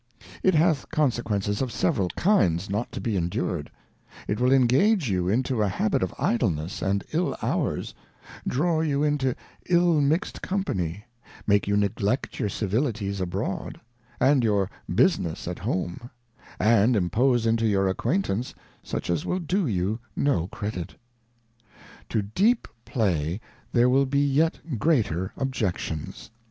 It hath Consequences of several kinds not to be en dured ; it will ingage you into a habit of Idleness and ill hours, draw you into ill mixed Company, make you neglect your Civilities abroad, and your Business at home, and impose into your Acquaintance such as will do you no Credit. To deep Play there will be yet greater Objections.